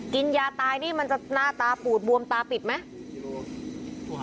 กินยาตายนี่มันจะหน้าตาปูดบวมตาปิดไหม